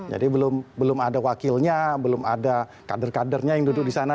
jadi belum ada wakilnya belum ada kader kadernya yang duduk di sana